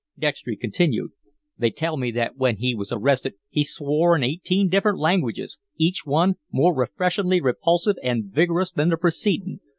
Dextry continued: "They tell me that when he was arrested he swore in eighteen different languages, each one more refreshin'ly repulsive an' vig'rous than the precedin'.